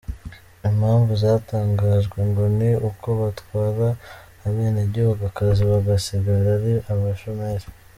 Impamvu zatangajwe ngo ni uko batwara abenegihugu akazi bagasigara ari abashomeri.